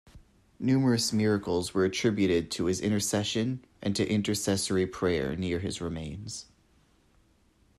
Numerous miracles were attributed to his intercession and to intercessory prayer near his remains.